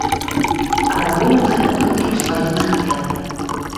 А рабіў ён гэта толькі ў сваім жытле.